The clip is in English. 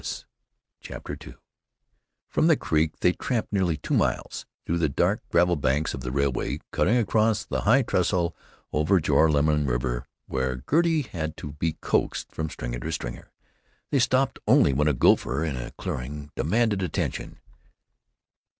CHAPTER II rom the creek they tramped nearly two miles, through the dark gravel banks of the railroad cut, across the high trestle over Joralemon River where Gertie had to be coaxed from stringer to stringer. They stopped only when a gopher in a clearing demanded attention.